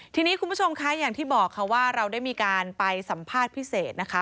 ทีนี้คุณผู้ชมคะอย่างที่บอกค่ะว่าเราได้มีการไปสัมภาษณ์พิเศษนะคะ